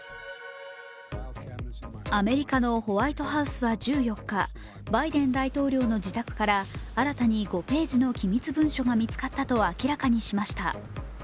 アメリカのホワイトハウスは１４日、バイデン大統領の自宅から新たに５ページの機密文書が見つかったと明らかにしました。